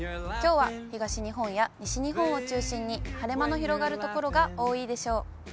きょうは東日本や西日本を中心に、晴れ間の広がる所が多いでしょう。